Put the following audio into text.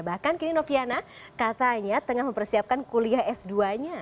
bahkan kini noviana katanya tengah mempersiapkan kuliah s dua nya